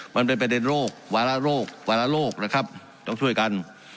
มันเป็นประเด็นโรควาระโรควาระโรคนะครับต้องช่วยกัน